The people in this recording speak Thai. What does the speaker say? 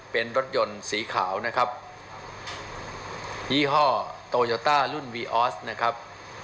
เป็นรถยนต์สีขาวนะครับยี่ห้อโตโยต้ารุ่นวีออสนะครับ